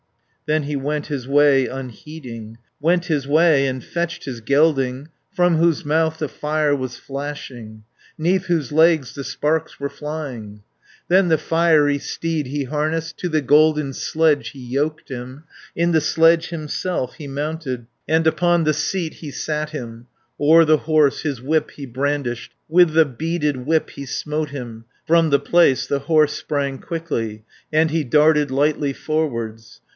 Then he went his way unheeding, Went his way, and fetched his gelding, From whose mouth the fire was flashing, 'Neath whose legs the sparks were flying. 70 Then the fiery steed he harnessed, To the golden sledge he yoked him, In the sledge himself he mounted, And upon the seat he sat him, O'er the horse his whip he brandished, With the beaded whip he smote him, From the place the horse sprang quickly, And he darted lightly forwards.